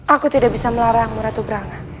aku tidak bisa melarangmu ratu brana